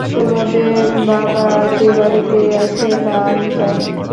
তোমার বাবা যে বাড়িতেই আছেন তা আমি জানি।